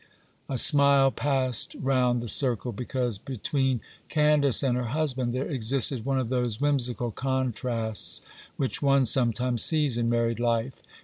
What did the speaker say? A smile passed round the circle, because between Candace and her husband there existed one of those whimsical contrasts which one sometimes sees in married life.